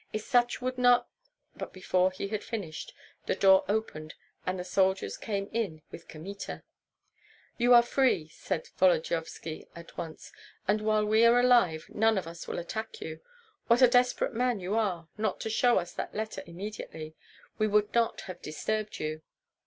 "If such would not " But before he had finished, the door opened and the soldiers came in with Kmita. "You are free," said Volodyovski, at once; "and while we are alive none of us will attack you. What a desperate man you are, not to show us that letter immediately! We would not have disturbed you."